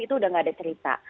itu sudah nggak ada cerita